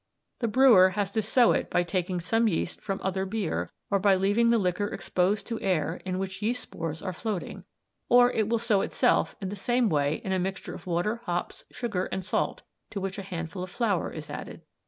The brewer has to sow it by taking some yeast from other beer, or by leaving the liquor exposed to air in which yeast spores are floating; or it will sow itself in the same way in a mixture of water, hops, sugar, and salt, to which a handful of flour is added.